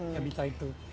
ya bisa itu